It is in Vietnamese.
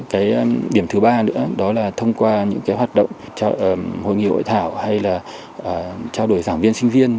cái điểm thứ ba nữa đó là thông qua những cái hoạt động hội nghị hội thảo hay là trao đổi giảng viên sinh viên